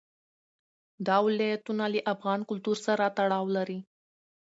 دا ولایتونه له افغان کلتور سره تړاو لري.